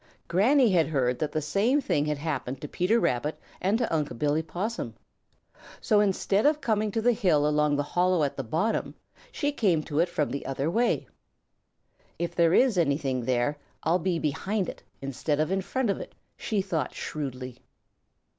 Granny had heard that the same thing had happened to Peter Rabbit and to Unc' Billy Possum. So instead of coming to the hill along the hollow at the bottom, she came to it from the other way. "If there is anything there, I'll be behind it instead of in front of it," she thought shrewdly.